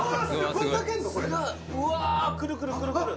くるくるくるくる。